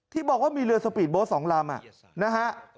ที่บอกว่ามีเรือสปีดโบสต์๒ลำนะฮะ